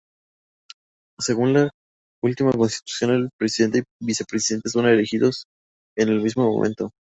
Según la última Constitución, el Presidente y Vicepresidente son elegidos en el mismo momento.